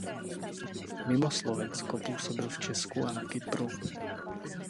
Mimo Slovensko působil v Česku a na Kypru.